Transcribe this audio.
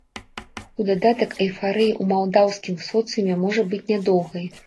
У дадатак, эйфарыя ў малдаўскім соцыуме можа быць нядоўгай.